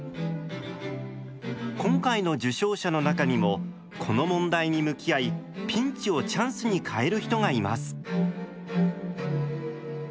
今回の受賞者の中にもこの問題に向き合いピンチをチャンスに変える人がいます。